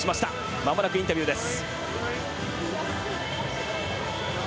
まもなくインタビューです。